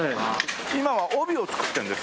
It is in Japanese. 今は帯を作ってるんですか？